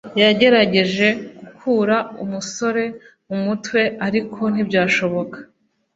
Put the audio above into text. yagerageje gukura umusore mu mutwe, ariko ntibyashoboka